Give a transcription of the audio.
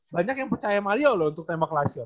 banyak yang percaya mario loh untuk tembak lashor